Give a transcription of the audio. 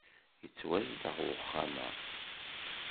Yettwazdeɣ uxxxam-a.